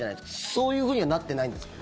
そういうふうにはなってないんですか？